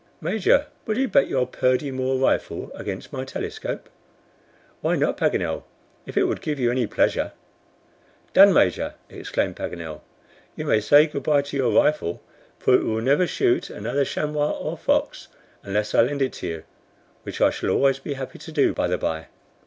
"Major, will you bet your Purdy Moore rifle against my telescope?" "Why not, Paganel, if it would give you any pleasure." "Done, Major!" exclaimed Paganel. "You may say good by to your rifle, for it will never shoot another chamois or fox unless I lend it to you, which I shall always be happy to do, by the by."